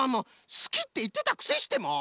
すきっていってたくせしてもう！